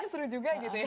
seru juga gitu ya